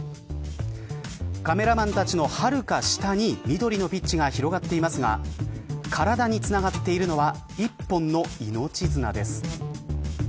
カメラマンたちのはるか下に緑のピッチが広がっていますが体につながっているのは１本の命綱です。